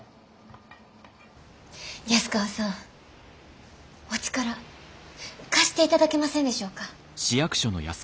安川さんお力貸していただけませんでしょうか。